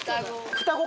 双子。